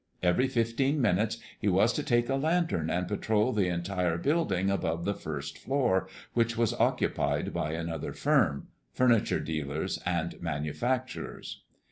Every fifteen minutes he must take a lantern and patrol the entire building above the first floor, which was occupied by another firm, furniture dealers and manufacturers.